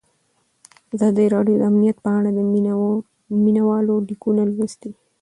ازادي راډیو د امنیت په اړه د مینه والو لیکونه لوستي.